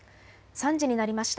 ３時になりました。